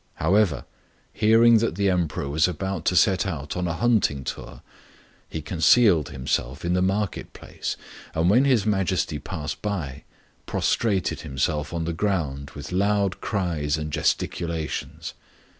However, hearing that the Emperor was about to set out on a hunting tour, he concealed himself in the market place, and when His Majesty passed by, prostrated himself on the ground with loud cries and gesticulations.